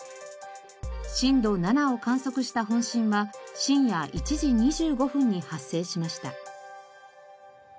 震度７を観測した本震は深夜１時２５分に発生しました。